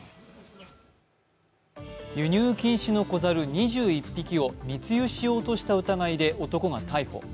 輸入禁止の子猿２１匹を密輸しようとした疑いで男が逮捕。